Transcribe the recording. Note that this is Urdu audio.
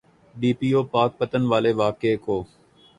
ڈی پی او پاکپتن والے واقعے کو۔